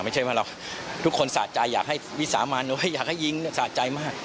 ไม่ใช่ว่าเราทุกคนสะใจอยากให้วิสามันว่าอยากให้ยิงสะใจมาก